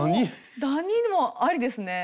ダニもありですね。